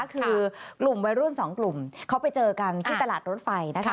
คือกลุ่มวัยรุ่นสองกลุ่มเขาไปเจอกันที่ตลาดรถไฟนะคะ